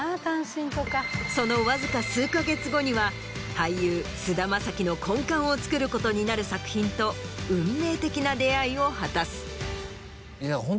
そのわずか数か月後には俳優菅田将暉の根幹をつくることになる作品と運命的な出会いを果たす。